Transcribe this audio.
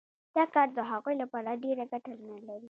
دا کار د هغوی لپاره ډېره ګټه نلري